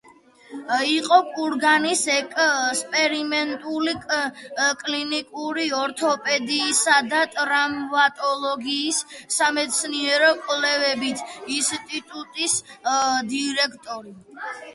იყო კურგანის ექსპერიმენტული, კლინიკური ორთოპედიისა და ტრავმატოლოგიის სამეცნიერო-კვლევითი ინსტიტუტის დირექტორი.